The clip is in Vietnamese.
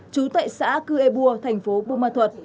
chú tệ xã cư ê bua tp hcm